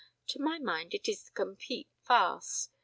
To my mind it is the complete farce.